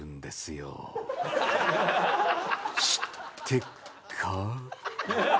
知ってっか？